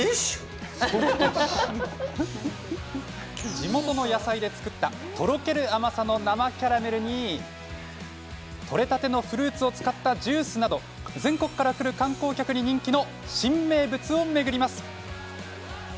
地元の野菜で作ったとろける甘さの生キャラメルに取れたてのフルーツを使ったジュースなど全国から来る観光客に人気の新名物を巡ります。